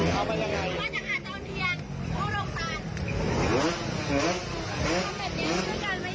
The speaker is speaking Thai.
ผมได้ถามพี่เก๋วว่ารถทำมาอย่างไร